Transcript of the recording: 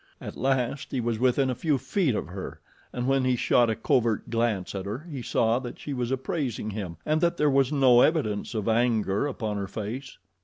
At last he was within a few feet of her, and when he shot a covert glance at her he saw that she was appraising him and that there was no evidence of anger upon her face.